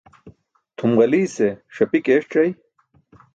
Tʰum ġaliise ṣapik eeṣc̣ay,